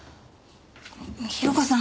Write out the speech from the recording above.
広子さん